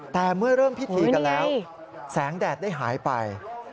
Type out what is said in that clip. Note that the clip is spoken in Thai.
แต่เมื่อเริ่มพิธีกันแล้วแสงแดดได้หายไป